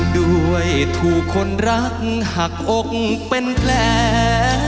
ด้วยถูกคนรักหักอกเป็นแผล